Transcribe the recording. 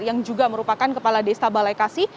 yang juga merupakan kepala desa balai kasi